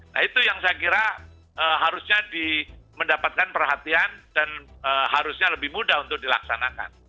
nah itu yang saya kira harusnya mendapatkan perhatian dan harusnya lebih mudah untuk dilaksanakan